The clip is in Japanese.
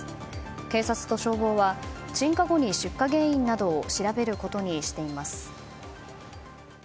警察と消防は、鎮火後に出火原因などを調べることにしています。